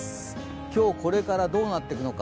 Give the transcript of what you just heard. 今日これからどうなっていくのか。